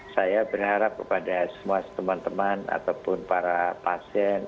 saya berharap kepada semua teman teman ataupun para pasien